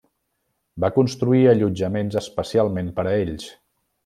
Va construir allotjaments especialment per a ells.